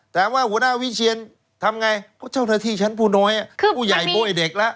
แต่ว่าหัวหน้าวิเชียนทำไงก็เจ้าหน้าที่ชั้นผู้น้อยผู้ใหญ่โบ้ยเด็กแล้ว